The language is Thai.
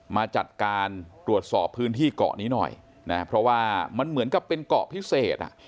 มาจัดการตรวจสอบพื้นที่เกาะนี้หน่อยนะเพราะว่ามันเหมือนกับเป็นเกาะพิเศษอ่ะ